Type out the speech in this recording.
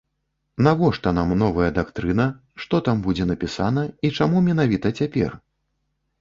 Навошта нам новая дактрына, што там будзе напісана і чаму менавіта цяпер?